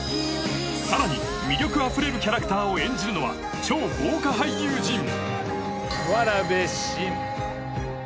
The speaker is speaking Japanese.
さらに魅力あふれるキャラクターを演じるのは超豪華俳優陣童信。